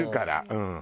うん。